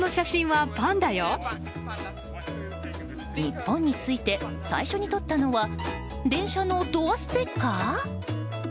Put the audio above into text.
日本に着いて最初に撮ったのは電車のドアステッカー？